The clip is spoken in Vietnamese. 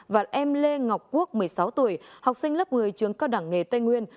và em lê ngọc quốc một mươi sáu tuổi học sinh lớp một mươi trường cao đẳng nghề tây nguyên